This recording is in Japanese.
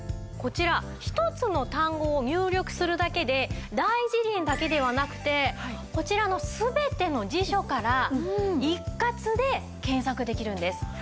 こちら一つの単語を入力するだけで『大辞林』だけではなくてこちらの全ての辞書から一括で検索できるんです。